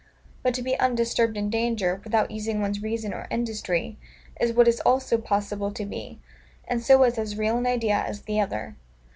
But to be undisturbed in danger, without using one's reason or industry, is what is also possible to be; and so is as real an idea as the other.